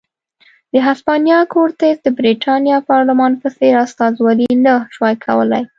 د هسپانیا کورتس د برېټانیا پارلمان په څېر استازولي نه شوای کولای.